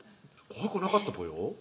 怖くなかったぽよ？